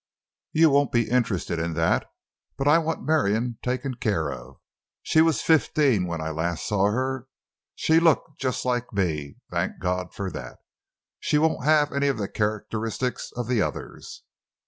You won't be interested in that. But I want Marion taken care of. She was fifteen when I saw her last. She looked just like me; thank God for that! She won't have any of the characteristics of the others!